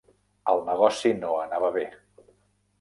El negoci no anava bé.